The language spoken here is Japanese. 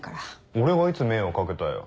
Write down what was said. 俺がいつ迷惑掛けたよ。